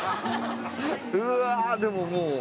うわーでももう。